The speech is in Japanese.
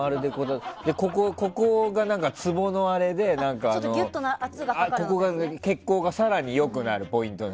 ここがツボのあれで血行が更に良くなるポイントなの。